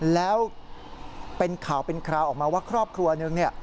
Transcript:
แล้วเป็นข่าวเป็นคราวออกมาว่าครอบครัวนึงเนี่ย